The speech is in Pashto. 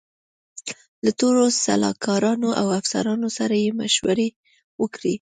له ټولو سلاکارانو او افسرانو سره یې مشورې وکړې.